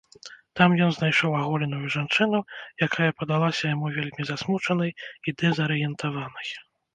Там ён знайшоў аголеную жанчыну, якая падалася яму вельмі засмучанай і дэзарыентаванай.